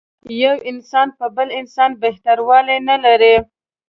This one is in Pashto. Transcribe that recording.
یو انسان په بل انسان بهتر والی نه لري.